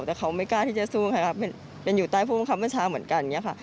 แต่เขาไม่กล้าที่จะสู้ค่ะเป็นอยู่ใต้ผู้บังคับประชาเหมือนกัน